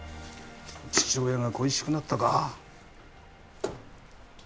父親が恋しくなったか？